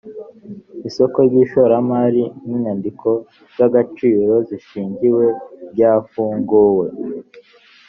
isoko ry ishoramari n‘ inyandiko z’ agaciro zishingiwe ryafunguwe